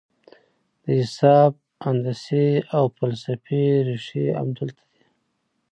د حساب، هندسې او فلسفې رېښې همدلته دي.